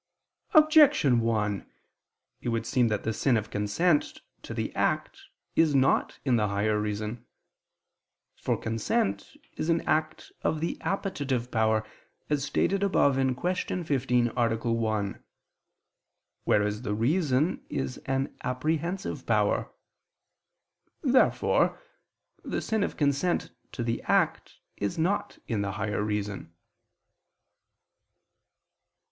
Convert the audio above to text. Objection 1: It would seem that the sin of consent to the act is not in the higher reason. For consent is an act of the appetitive power, as stated above (Q. 15, A. 1): whereas the reason is an apprehensive power. Therefore the sin of consent to the act is not in the higher reason.